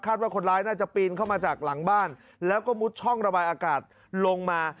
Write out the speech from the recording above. ว่าคนร้ายน่าจะปีนเข้ามาจากหลังบ้านแล้วก็มุดช่องระบายอากาศลงมา